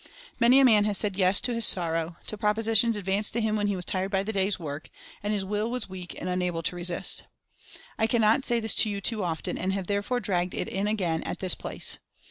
Many a man has said "Yes !" to his sorrow, to propositions advanced to him when he was tired by the day's work, and his Will was weak and unable to resist. I cannot say this to you too often, and have therefore dragged it in again at this place.